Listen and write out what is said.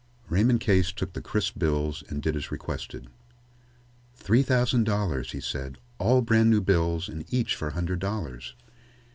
Raymond Case took the crisp bills and did as requested. "Three thousand dollars," he said. "All brand new bills and each for a hundred dollars."